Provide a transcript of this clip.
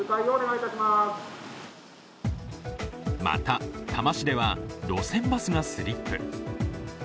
また、多摩市では路線バスがスリップ。